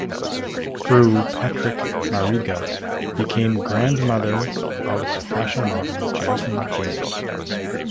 Through Patrick Mariga became grandmother of the fashion model Jasmine Guinness.